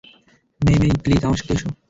মেই-মেই, please, আমার সাথে এসো।